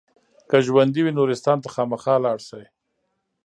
که ژوندي وي نورستان ته خامخا لاړ شئ.